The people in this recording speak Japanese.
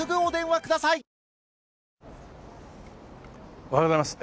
おはようございます。